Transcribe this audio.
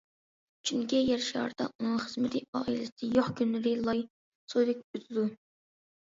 چۈنكى يەر شارىدا ئۇنىڭ خىزمىتى، ئائىلىسى يوق، كۈنلىرى لاي سۇدەك ئۆتىدۇ.